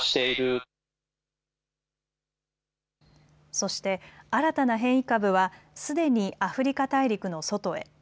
そして新たな変異株は、すでにアフリカ大陸の外へ。